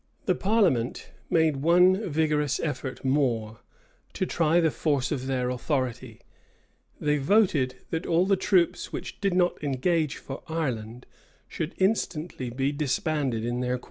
The parliament made one vigorous effort more, to try the force of their authority: they voted, that all the troops which did not engage for Ireland, should instantly be disbanded in their quarters.